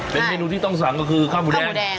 เป็นเมนูที่ต้องสั่งก็คือข้าวหมูแดง